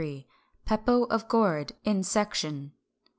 Pepo of Gourd, in section.